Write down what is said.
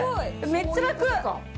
めっちゃ楽！